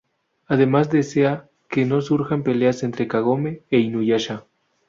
Además desea que no surjan peleas entre Kagome e Inuyasha.